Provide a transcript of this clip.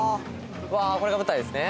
うわこれが舞台ですね？